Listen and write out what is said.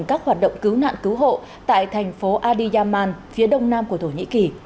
các hoạt động cứu nạn cứu hộ tại thành phố adiyaman phía đông nam của thổ nhĩ kỳ